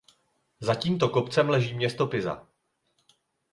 Za tímto kopcem leží město "Pisa".